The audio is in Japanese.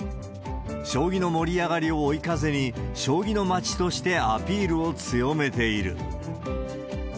将棋の盛り上がりを追い風に、将棋のまちとしてアピールを強めている。